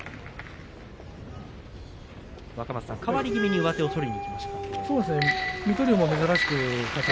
若松さん、変わり気味に上手を取りにいきました。